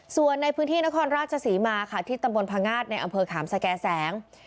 ส่วนในพื้นที่นครราชศรีมาค่ะที่ตำบลพงาศในอำเภอขามสแก่แสง